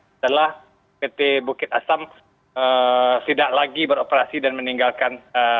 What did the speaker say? setelah pt bukit asam tidak lagi beroperasi dan meninggalkan